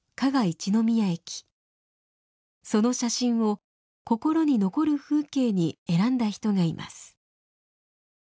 その写真を心に残る風景に選んだ人がいます。